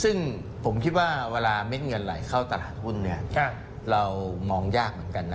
ซึ่งผมคิดว่าเวลาเม็ดเงินไหลเข้าตลาดหุ้นเรามองยากเหมือนกันนะ